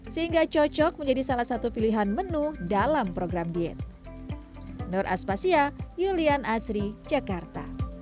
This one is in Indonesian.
sehingga cocok menjadi salah satu pilihan menu dalam program diet